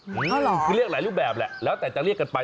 คือเรียกหลายรูปแบบแหละแล้วแต่จะเรียกกันไป